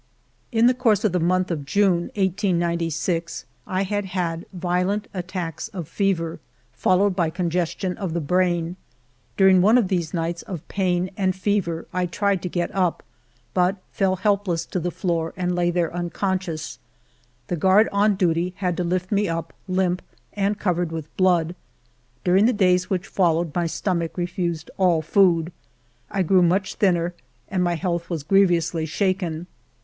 In the course of the month of June, 1896, I had had violent attacks of fever, followed by con gestion of the brain. During one of these nights of pain and fever I tried to get up, but fell help less to the floor and lay there unconscious. The guard on duty had to lift me up, limp and covered with blood. During the days which followed, my stomach refused all food. I grew much thinner, and my health was grievously shaken.